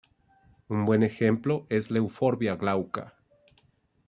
Un buen ejemplo es la "Euphorbia glauca.